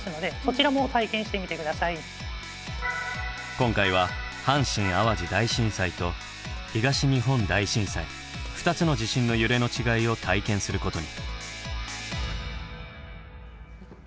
今回は阪神・淡路大震災と東日本大震災２つの地震の揺れの違いを体験することに。